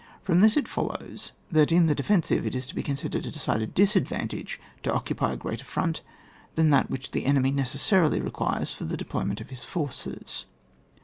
From this it follows, that in the defensive it is to be considered a decided disadvantage to occupy a greater front than that which the enemy necessarily requires for the deployment of his forces.